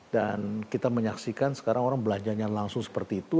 dan kita menyaksikan sekarang orang belanjanya langsung seperti itu